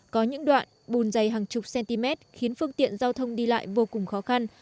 có những đoạn bùn dày hàng chục cm khiến phương tiện giao thông đi lại vô cùng khó khăn